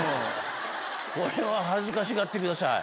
これは恥ずかしがってください。